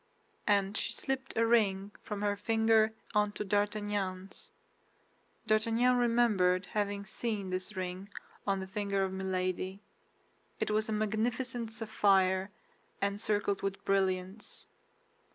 and she slipped a ring from her finger onto D'Artagnan's. D'Artagnan remembered having seen this ring on the finger of Milady; it was a magnificent sapphire, encircled with brilliants.